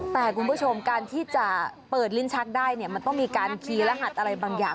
แต่คุณผู้ชมการที่จะเปิดลิ้นชักได้เนี่ยมันต้องมีการคีย์รหัสอะไรบางอย่าง